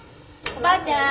おばあちゃん。